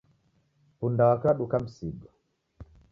Punda wake waduka misigo